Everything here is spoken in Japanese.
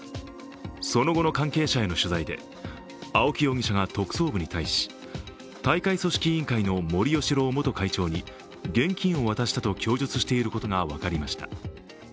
その後の関係者への取材で青木容疑者が特捜部に対し大会組織委員会の森喜朗元会長に現金を渡したと供述していることが分かりました。